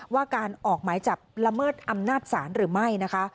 ว่าการออกหมายจับละเมิดอำนาจศาลหรือไม่นะคะ